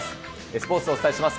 スポーツをお伝えします。